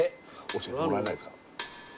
教えてもらえないですか？